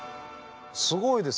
すごいですね。